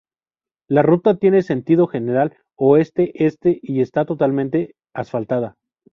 La ruta tiene sentido general oeste-este y está totalmente asfaltada.